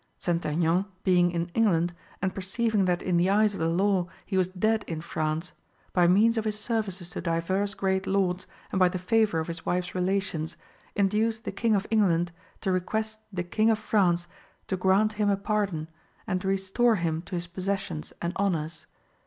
St. Aignan being in England and perceiving that in the eyes of the law he was dead in France, by means of his services to divers great lords and by the favour of his wife's relations, induced the King of England (10) to request the King of France (11) to grant him a pardon and restore him to his possessions and honours.